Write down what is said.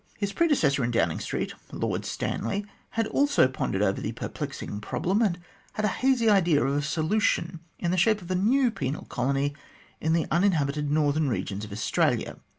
His predecessor in Downing Street, Lord Stanley, had also pondered over the perplexing problem, and had a hazy idea of a solution in the shape of a new penal colony in the uninhabited northern regions of Australia.